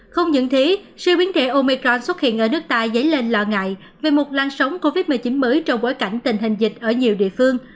không những thế siêu biến thể omicron xuất hiện ở nước ta dấy lên lo ngại về một lan sóng covid một mươi chín mới trong bối cảnh tình hình dịch ở nhiều địa phương